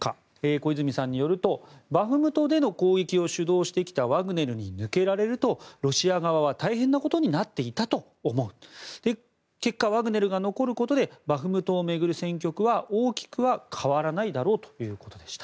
小泉さんによるとバフムトでの攻撃を主導してきたワグネルに抜けられるとロシア側は大変なことになっていたと思う結果、ワグネルが残ることでバフムトを巡る戦局は大きくは変わらないだろうということでした。